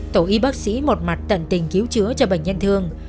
tổ y bác sĩ một mặt tận tình cứu chữa cho bệnh nhân thương